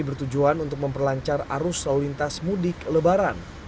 pertanyaan dari aturan